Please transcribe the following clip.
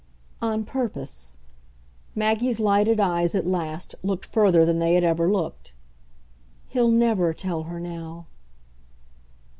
"On purpose." Maggie's lighted eyes, at least, looked further than they had ever looked. "He'll NEVER tell her now."